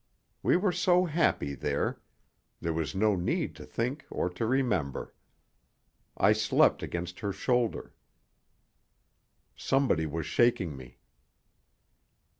We were so happy there there was no need to think or to remember. I slept against her shoulder. Somebody was shaking me.